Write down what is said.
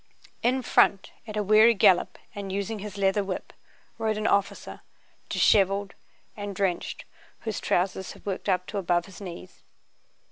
In front, at a weary gallop and using his leather whip, rode an officer, disheveled and drenched, whose trousers had worked up to above his knees.